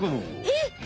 えっ？